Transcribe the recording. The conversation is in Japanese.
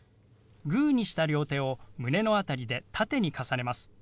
グーにした両手を胸の辺りで縦に重ねます。